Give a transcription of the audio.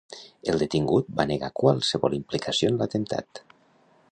El detingut va negar qualsevol implicació en l'atemptat.